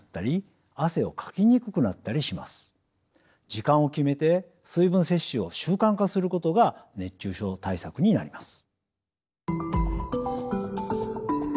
時間を決めて水分摂取を習慣化することが熱中症対策になります。